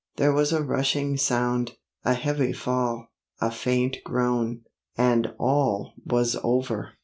There was a rushing sound, a heavy fall, a faint groan, and all was over!